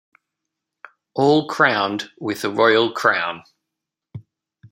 All crowned with a royal crown.